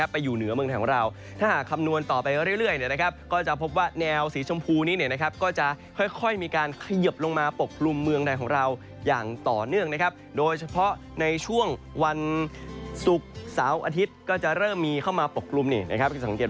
ภายุก็จะค่อยหมดบาทกับกลุ่มฝน